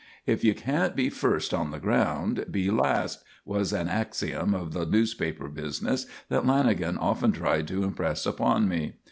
] "If you can't be first on the ground, be last," was an axiom of the newspaper business that Lanagan often tried to impress upon me.